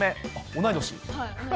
同い年？